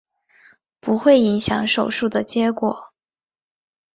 不会影响手术的结果。